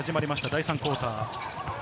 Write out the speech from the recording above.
第３クオーター。